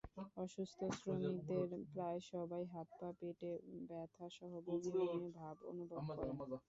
অসুস্থ শ্রমিকদের প্রায় সবাই হাত-পা, পেটে ব্যথাসহ বমি বমি ভাব অনুভব করেন।